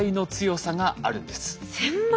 １，０００倍？